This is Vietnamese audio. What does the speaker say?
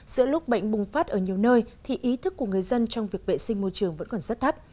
giữa lúc bệnh bùng phát ở nhiều nơi thì ý thức của người dân trong việc vệ sinh môi trường vẫn còn rất thấp